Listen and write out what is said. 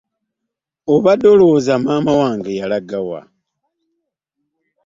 Obadde olowooza maama wange yalaga wa?